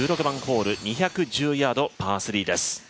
１６番ホール、２１０ヤード、パー３です。